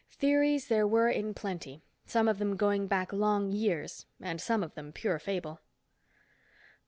Theories there were in plenty, some of them going back long years, and some of them pure fable.